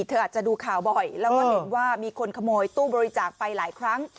เธออาจจะดูข่าวบ่อยแล้วก็เห็นว่ามีคนขโมยตู้บริจาคไปหลายครั้ง